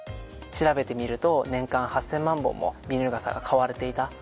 調べてみると年間８０００万本もビニール傘が買われていた。